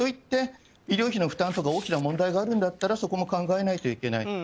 医療費の負担とか大きな問題があるんだったらそこも考えないといけない。